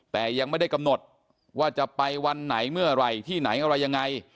แต่ยังไม่ได้กำหนดว่าจะไปวันไหนเมื่อไหร่ที่ไหนอะไรยังไง